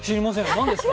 何ですか？